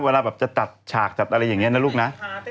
เวลาแบบจะจัดฉากจัดอะไรอย่างนี้นะลูกนะ